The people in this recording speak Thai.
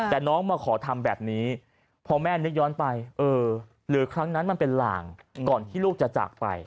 แต่น้องมาขอทำแบบนี้เพราะแม่ลือครั้งนั้นมันเป็นร่างก่อนที่ลูกจะจากไป